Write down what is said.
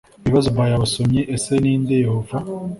Ibibazo by abasomyi Ese ni nde yehova